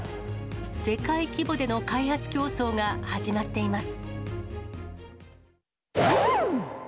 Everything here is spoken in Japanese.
世界規模での開発競争が始まっています。